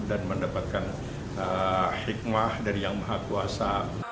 dan mendapatkan hikmah dari yang maha kuasa